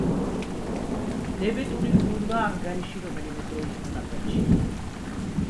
დებეტური ბრუნვა ანგარიში რომელიმე დროის მონაკვეთში.